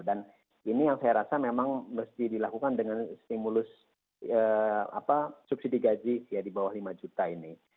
dan ini yang saya rasa memang mesti dilakukan dengan stimulus subsidi gaji di bawah lima juta ini